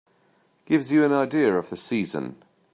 Gives you an idea of the season.